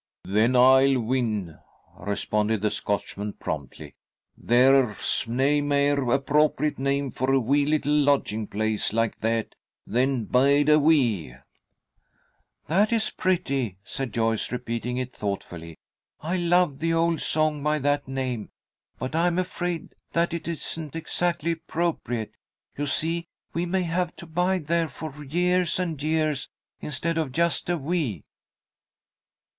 "Then I'll win," responded the Scotchman, promptly. "There's nae mair appropriate name for a wee bit lodging place like that, than Bide a wee." "That is pretty," said Joyce, repeating it thoughtfully. "I love the old song by that name, but I'm afraid that it isn't exactly appropriate. You see, we may have to bide there for years and years instead of just a wee."